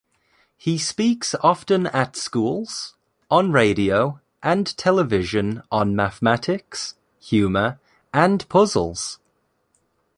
He speaks often-at schools, on radio, and television-on mathematics, humour, and puzzles.